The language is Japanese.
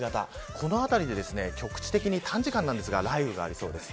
この辺りで局地的に短時間ですが雷雨がありそうです。